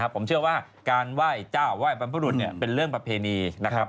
ผมเชื่อว่าการไหว้เจ้าไหว้บรรพบรุษเป็นเรื่องประเพณีนะครับ